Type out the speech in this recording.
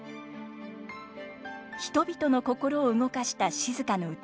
人々の心を動かした静の歌。